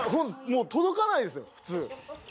「届かないですよ普通。